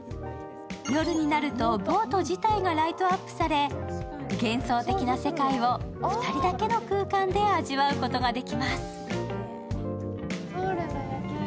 夜になるとボート自体がライトアップされ幻想的な世界を２人だけの空間で味わうことができます。